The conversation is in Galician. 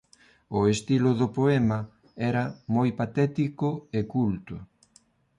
O estilo do poema era moi patético e culto.